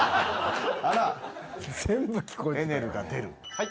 はい。